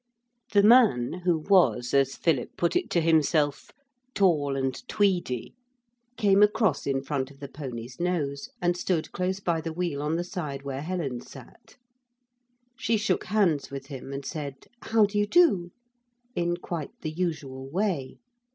The man, who was, as Philip put it to himself, 'tall and tweedy,' came across in front of the pony's nose and stood close by the wheel on the side where Helen sat. She shook hands with him, and said, 'How do you do?' in quite the usual way.